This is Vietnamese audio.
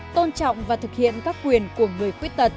tôn trọng và thực hiện các quyền của người khuyết tật